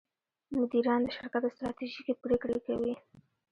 مدیران د شرکت ستراتیژیکې پرېکړې کوي.